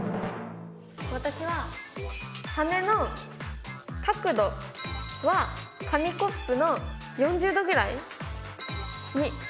私は羽の角度は紙コップの４０度ぐらいにしたいと思います。